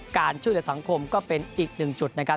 การช่วยเหลือสังคมก็เป็นอีกหนึ่งจุดนะครับ